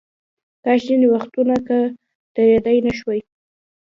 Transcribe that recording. کاش ځینې وختونه که درېدای نشوای.